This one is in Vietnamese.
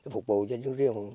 phục vụ cho những riêng